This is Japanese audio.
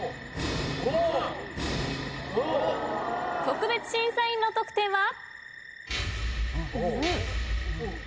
特別審査員の得点は？